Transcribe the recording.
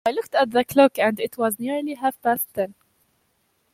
I looked at the clock, and it was nearly half-past ten.